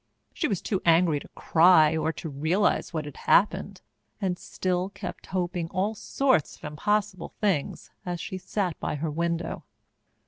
She was too angry to cry or to realize what had happened, and still kept hoping all sorts of impossible things as she sat by her window.